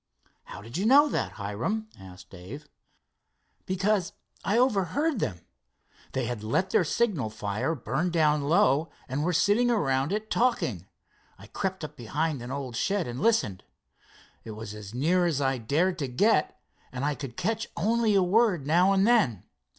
"How did you know that, Hiram?" asked Dave. "Because I overheard them. They had let their signal fire burn down low, and were sitting around it talking. I crept up behind an old shed and listened. It was as near as I dared to get, and I could catch only a word now and then.